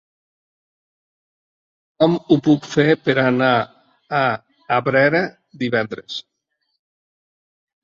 Com ho puc fer per anar a Abrera divendres?